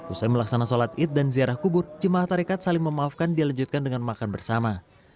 usai melaksanakan sholat id dan ziarah kubur jemaah tarekat saling memaafkan dilanjutkan dengan makan bersama